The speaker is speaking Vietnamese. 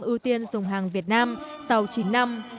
ưu tiên dùng hàng việt nam sau chín năm